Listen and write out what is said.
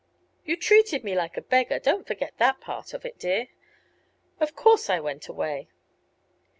"You treated me like a beggar; don't forget that part of it, dear. Of course I went away."